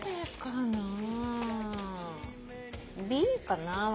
Ｂかな私。